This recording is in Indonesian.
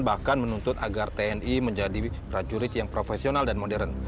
bahkan menuntut agar tni menjadi prajurit yang profesional dan modern